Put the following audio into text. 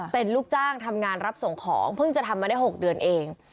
เป็นลูกจ้างทำงานรับส่งของเพิ่งจะทำมาได้๖เดือนเอง